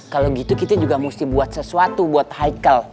kalo gitu kita juga mesti buat sesuatu buat haikal